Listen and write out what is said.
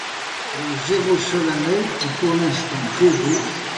Le zéro solennel qui, pour l'instant, prévaut -